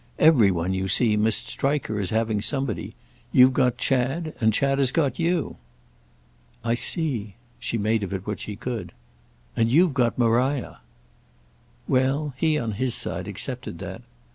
"Every one, you see, must strike her as having somebody. You've got Chad—and Chad has got you." "I see"—she made of it what she could. "And you've got Maria." Well, he on his side accepted that.